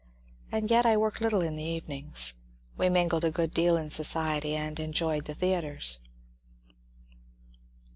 And yet I worked little in the evenings. We mingled a good deal in society, and enjoyed the theatres.